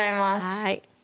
はい。